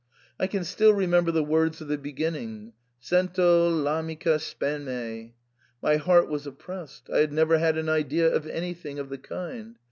I can still remember the words of the beginning, * Sento V arnica speme.* My heart was oppressed ; I had never had an idea of anything of the kind.